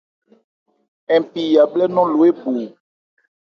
Npi yabhlɛ́ nɔn lo ébo.